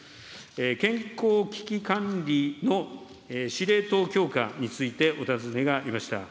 健康危機管理の司令塔強化についてお尋ねがありました。